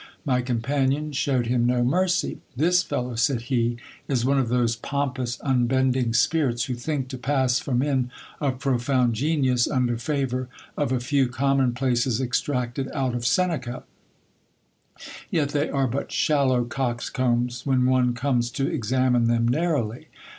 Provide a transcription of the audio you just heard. My companion shewed him no mercy. This fellow, said he, is one of those pompous, unbending spirits who think to pass for men of profound genius, under favour of a few common places extracted out of Seneca ; yet they are but shallow coxcombs when one comes to examine them narrowly.